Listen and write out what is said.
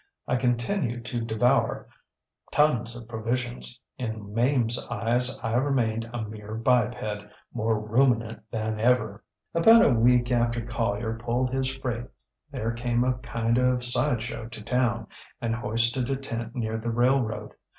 I continued to devour tons of provisions. In MameŌĆÖs eyes I remained a mere biped, more ruminant than ever. ŌĆ£About a week after Collier pulled his freight there came a kind of side show to town, and hoisted a tent near the railroad.